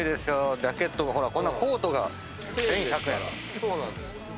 そうなんです。